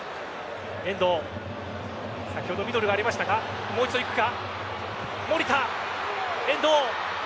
先ほどミドルがありましたがもう一度いくか。